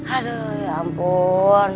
aduh ya ampun